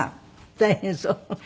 大変そう。